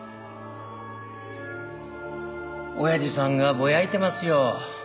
親父さんがぼやいてますよ。